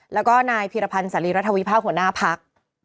แล้วก็นายเพียรพันธ์สรีรถวิภาคหัวหน้าพัก